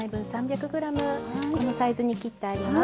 このサイズに切ってあります。